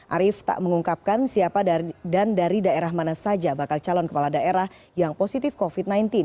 arief tak mengungkapkan siapa dan dari daerah mana saja bakal calon kepala daerah yang positif covid sembilan belas